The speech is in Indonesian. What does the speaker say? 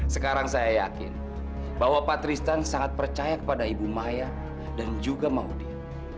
sekarang saya yakin bahwa pak tristan sangat percaya kepada ibu maya dan juga maudie